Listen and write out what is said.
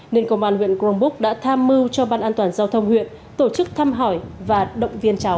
nên công an huyện crong búc đã tham mưu cho ban an toàn giao thông huyện tổ chức thăm hỏi và động viên cháu